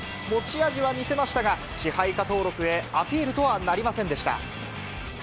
持ち味は見せましたが、支配下登録へ、アピールとはなりませんでした。